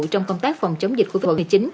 trong công tác phòng chống dịch covid một mươi chín